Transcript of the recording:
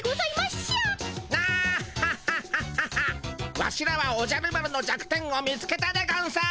ワシらはおじゃる丸の弱点を見つけたでゴンス。